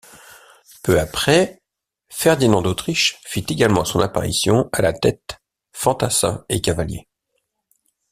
Peu après, Ferdinand d'Autriche fit également son apparition à la tête fantassins et cavaliers.